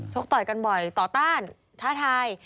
กต่อยกันบ่อยต่อต้านท้าทาย